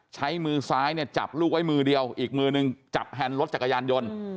ใช้มือซ้ายเนี่ยจับลูกไว้มือเดียวอีกมือนึงจับแฮนด์รถจักรยานยนต์